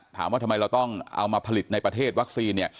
ถามว่าทำไมเราต้องเอามาผลิตในประเทศวัคซีนเนี่ย